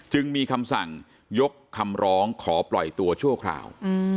จึงมีคำสั่งยกคำร้องขอปล่อยตัวชั่วคราว